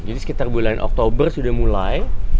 jadi sekitar bulan oktober sudah mulai